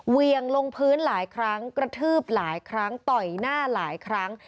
เวียงลงพื้นหลายครั้งกระทืบหลายครั้งต่อยหน้าหลายครั้ง